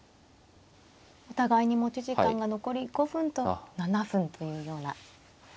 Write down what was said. お互いに持ち時間が残り５分と７分というような。